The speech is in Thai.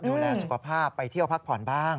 ดูแลสุขภาพไปเที่ยวพักผ่อนบ้าง